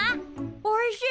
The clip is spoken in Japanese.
おいしい。